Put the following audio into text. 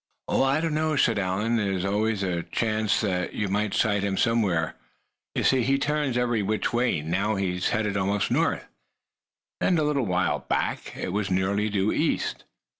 "Oh! I don't know," said Allan. "There's always a chance that you might sight him somewhere. You see, he turns every which way. Now he's heading almost north; and a little while back it was nearly due east.